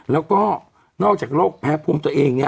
แล้วก็นอกจากโรคแพ้ภูมิตัวเองเนี่ย